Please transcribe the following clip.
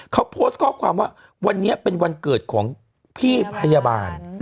เขาโพสต์ข้อความว่าวันนี้เป็นวันเกิดของพี่พยาบาล